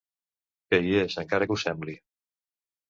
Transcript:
Que hi és, encara que ho sembli.